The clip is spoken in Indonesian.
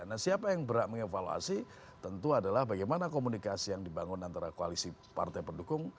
nah siapa yang berhak mengevaluasi tentu adalah bagaimana komunikasi yang dibangun antara koalisi partai pendukung